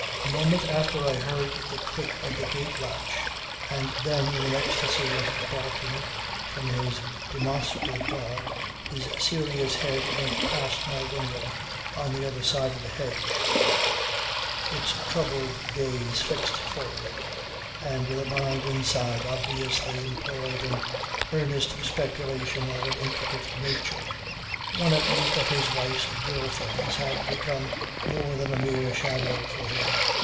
A moment after I heard the click of the gate latch and then in an ecstasy of barking from his demonstrative dog his serious head went past my window on the other side of the hedge, its troubled gaze fixed forward, and the mind inside obviously employed in earnest speculation of an intricate nature. One at least of his wife's girl friends had become more than a mere shadow for him.